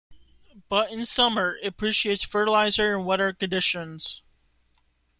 But in summer, it appreciates fertilizer and wetter conditions.